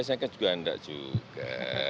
biasanya kan tidak juga